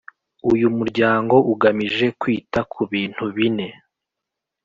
Uyu muryango ugamije kwita ku bintu bine